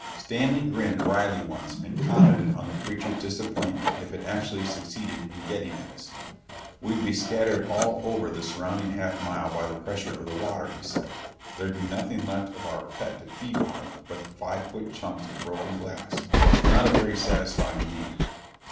Stanley grinned wryly once and commented on the creature's disappointment if it actually succeeded in getting at us. "We'd be scattered all over the surrounding half mile by the pressure of the water," he said. "There'd be nothing left for our pet to feed on but five foot chunks of broken glass. Not a very satisfying meal."